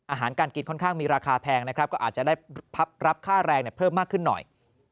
อาหารการกินค่อนข้างมีราคาแพงนะครับก็อาจจะได้รับค่าแรงเพิ่มมากขึ้นหน่อย